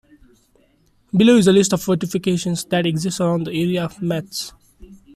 Below is a list of the fortifications that exist around the area of Metz.